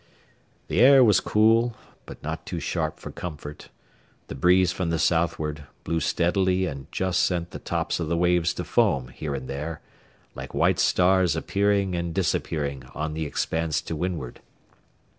The air was cool, but not too sharp for comfort; the breeze from the southward blew steadily and just sent the tops of the waves to foam, here and there, like white stars appearing and disappearing on the expanse to windward.